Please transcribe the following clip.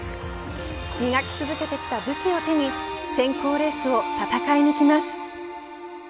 磨き続けてきた武器を手に選考レースを戦い抜きます